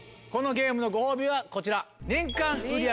このゲームのご褒美はこちら。